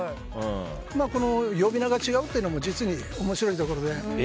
呼び名が違うというのも実に面白いところで。